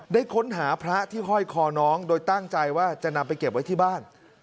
ได้ค้นหาพระที่ห้อยคอน้องโดยตั้งใจว่าจะนำไปเก็บไว้ที่บ้าน